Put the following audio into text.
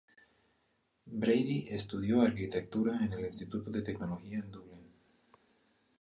Brady estudió arquitectura en el Instituto de Tecnología de Dublín.